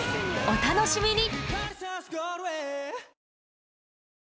お楽しみに！